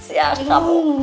eh maaf siap kamu